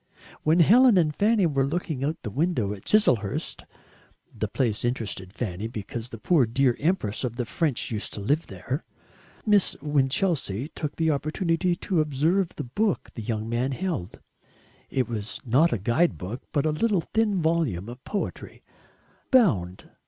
When Helen and Fanny were looking out of the window at Chiselhurst the place interested Fanny because the poor dear Empress of the French used to live there Miss Winchelsea took the opportunity to observe the book the young man held. It was not a guide book, but a little thin volume of poetry BOUND.